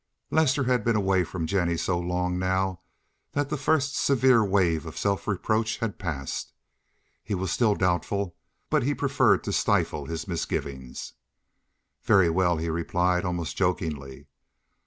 Lester had been away from Jennie so long now that the first severe wave of self reproach had passed. He was still doubtful, but he preferred to stifle his misgivings. "Very well," he replied, almost jokingly.